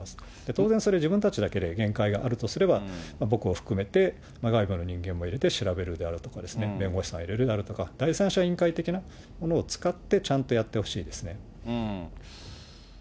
当然、それ、自分たちだけで限界があるとすれば、僕を含めて、外部の人間も入れて調べるであるとか、弁護士さんを入れるであるとか、第三者的なものを使ってちゃんとやってほしいですね。